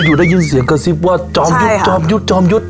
อยู่ได้ยินเสียงกระซิบว่าจอมยุทธ์จอมยุทธ์จอมยุทธ์